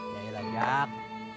ya rela jak